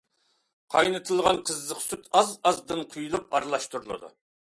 قاينىتىلغان قىزىق سۈت ئاز-ئازدىن قۇيۇلۇپ ئارىلاشتۇرۇلىدۇ.